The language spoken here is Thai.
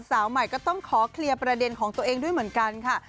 สาวใหม่ก็ต้องขอเคลียร์ประเด็นของตัวเองด้วยเหมือนกันค่ะ